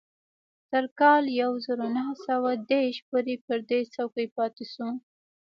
تر کال يو زر و نهه سوه دېرش پورې پر دې څوکۍ پاتې شو.